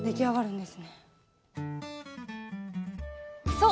そう！